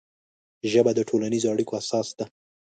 ژبه د ټولنیزو اړیکو اساس ده